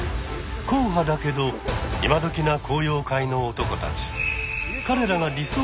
硬派だけど今どきな昂揚会の男たち。